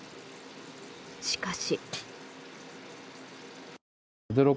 しかし。